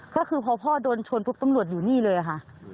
ก็คือพอพ่อโดนชนปุ๊บตำรวจอยู่นี่เลยค่ะ